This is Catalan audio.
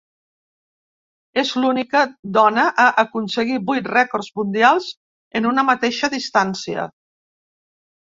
És l'única dona a aconseguir vuit rècords mundials en una mateixa distància.